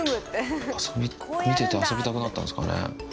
見てて遊びたくなったんですかね。